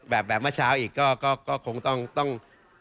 แบบเมื่อเช้าอีกก็คงต้อง